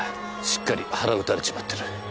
しっかり腹撃たれちまってる。